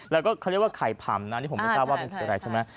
แล้วก็เขาเรียกว่าไข่ผำนะนี่ผมไม่ทราบว่ามันคืออะไรใช่ไหม